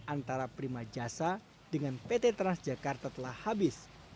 antara prima jasa dengan pt transjakarta telah habis